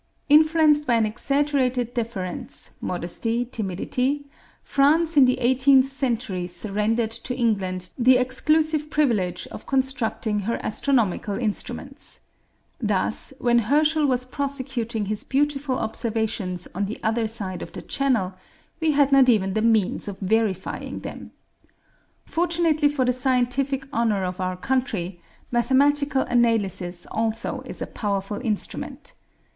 Influenced by an exaggerated deference, modesty, timidity, France in the eighteenth century surrendered to England the exclusive privilege of constructing her astronomical instruments. Thus, when Herschel was prosecuting his beautiful observations on the other side of the Channel, we had not even the means of verifying them. Fortunately for the scientific honor of our country, mathematical analysis also is a powerful instrument.